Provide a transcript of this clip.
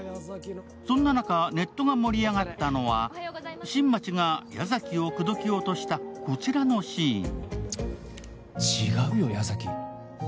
そんな中、ネットが盛り上がったのは新町が矢崎を口説き落としたこちらのシーン。